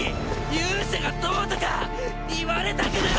勇者がどうとか言われたくない！